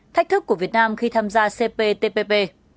thách thức của việt nam khi tham gia cptpp